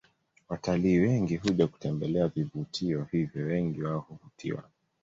Watalii wengi huja kutembelea vivutio hivyo wengi wao huvutiwa